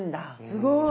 すごい！